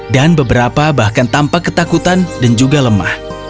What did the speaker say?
dan beberapa bahkan tampak ketakutan dan juga lemah